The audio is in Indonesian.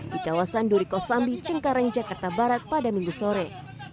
di kawasan duriko sambi cengkareng jakarta barat pada minggu sore